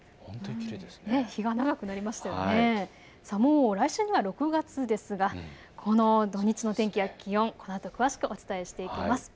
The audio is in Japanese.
もう来週には６月ですがこの土日の天気や気温、このあと詳しくお伝えしていきます。